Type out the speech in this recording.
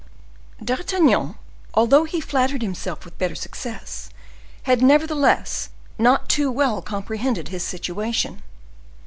D'Artagnan, although he flattered himself with better success, had, nevertheless, not too well comprehended his situation.